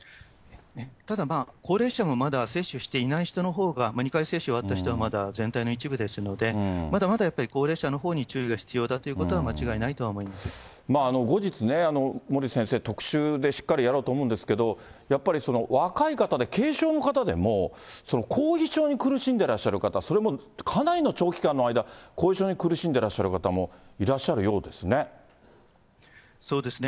ただまあ、高齢者もまだ接種していない人のほうが２回接種終わった人はまだ全体の一部ですので、まだまだやっぱり高齢者のほうに注意が必要だということは間違い後日ね、森内先生、特集でしっかりやろうと思うんですけど、やっぱり若い方で、軽症の方でも、後遺症に苦しんでいる方、それもかなりの長期間の間、後遺症に苦しんでらっしゃる方もいらっしゃるようですね。